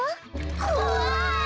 こわい。